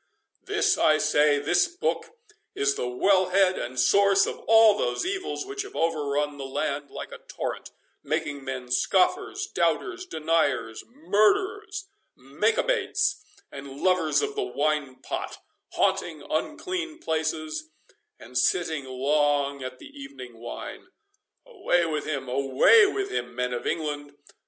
This, I say, this book is the well head and source of all those evils which have overrun the land like a torrent, making men scoffers, doubters, deniers, murderers, makebates, and lovers of the wine pot, haunting unclean places, and sitting long at the evening wine. Away with him, away with him, men of England!